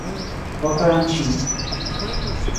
Votorantim